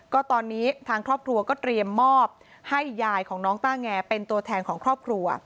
ก็ตอนนี้ทางครอบครัวก็เตรียมมอบให้ยายของน้องต้าแงเป็นตัวแทนของครอบครัว